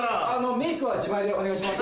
メイクは自前でお願いします。